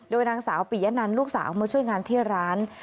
โดยนางสาวปียะนันลูกสาวมาช่วยงานที่ร้าน